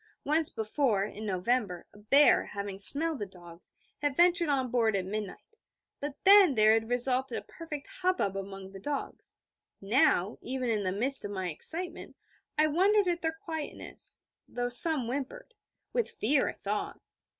Once before, in November, a bear, having smelled the dogs, had ventured on board at midnight: but then there had resulted a perfect hubbub among the dogs. Now, even in the midst of my excitement, I wondered at their quietness, though some whimpered with fear, I thought.